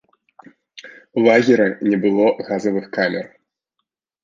У лагеры не было газавых камер.